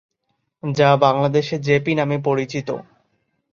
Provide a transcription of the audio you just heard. যা বাংলাদেশে জেপি নামে পরিচিত।